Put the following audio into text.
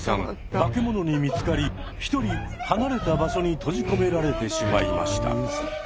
化け物に見つかり一人離れた場所に閉じ込められてしまいました。